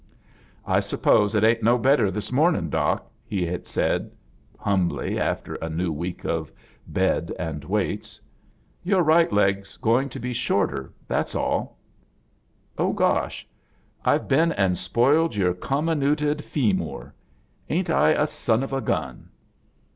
"I suppose it ain't no better this morn ing. Doc?" he had said, humbly, after a new week of bed and weights. "Your right l^s going to be shorter. That's alL" "Oh, gosh! I've been and spoiled your comminuted fee murt Ain't I a son of a^ gun?"